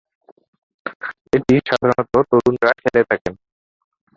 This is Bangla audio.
এটি সাধারণত তরুণরা খেলে থাকেন।